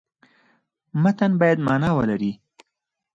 متن باید معنا ولري.